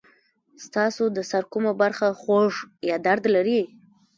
ستاسو د سر کومه برخه خوږ یا درد لري؟